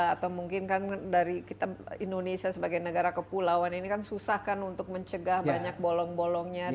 atau mungkin kan dari kita indonesia sebagai negara kepulauan ini kan susah kan untuk mencegah banyak bolong bolongnya